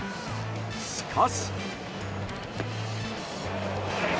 しかし。